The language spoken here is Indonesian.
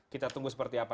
kita tunggu seperti apa